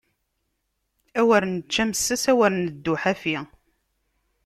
Awer nečč amessas, awer neddu ḥafi!